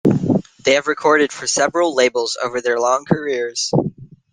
They have recorded for several labels over their long careers.